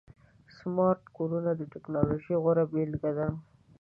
سمارټ کورونه د ټکنالوژۍ غوره بيلګه ده.